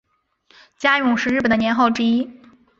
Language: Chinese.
嘉永是日本的年号之一。